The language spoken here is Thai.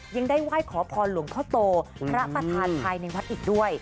ยังได้ไหว้ขอพรหลวงพ่อโตพระประธานภายในวัดอีกด้วย